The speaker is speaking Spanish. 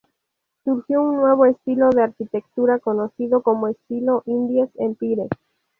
Surgió un nuevo estilo de arquitectura, conocido como estilo Indies Empire.